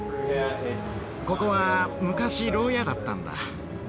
ここは昔ろう屋だったんだ。